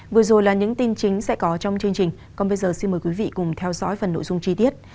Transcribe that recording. vừa rồi là những tin chính sẽ có trong chương trình còn bây giờ xin mời quý vị cùng theo dõi phần nội dung chi tiết